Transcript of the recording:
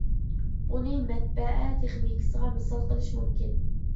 بۇنى مەتبەئە تېخنىكىسىغا مىسال قىلىش مۇمكىن.